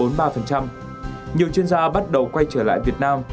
nhiều chuyên gia bắt đầu quay trở lại việt nam